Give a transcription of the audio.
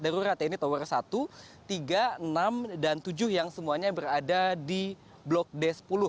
darurat ya ini tower satu tiga enam dan tujuh yang semuanya berada di blok d sepuluh